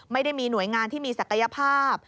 ไม่ได้มีหน่วยงานที่มีศักยภาพ